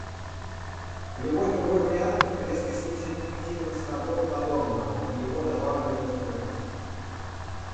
Любой другой вариант резко снизит эффективность работы по договору и его добавленную стоимость.